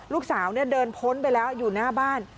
ลูกสาวเดินพ้นไปแล้วอยู่หน้าบ้าน